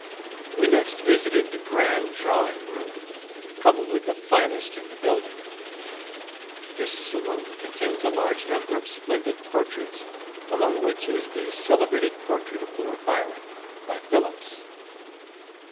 We next visited the grand Drawing room, probably the finest in the building. This saloon contains a large number of splendid portraits, among which is the celebrated portrait of Lord Byron, by Phillips.